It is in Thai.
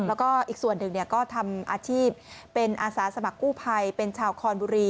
และอีกส่วนหนึ่งก็ทำอาชีพเป็นอาศาสมัครกู้ไพ